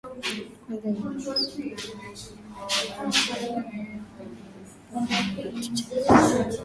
Kwanza Unit nao wakarekodi albamu yao waliyoipa jina la Tucheze